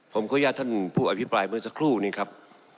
ผมขออนุญาตท่านผู้อภิปรายเมื่อสักครู่นี้ครับ